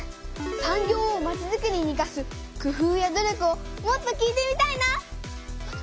産業をまちづくりにいかす工夫や努力をもっと聞いてみたいな。